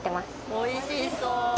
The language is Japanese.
おいしそう。